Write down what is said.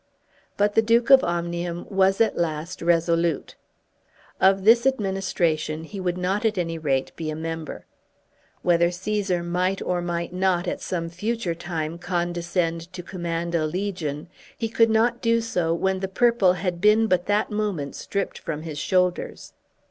But the Duke of Omnium was at last resolute. Of this administration he would not at any rate be a member. Whether Cæsar might or might not at some future time condescend to command a legion, he could not do so when the purple had been but that moment stripped from his shoulders.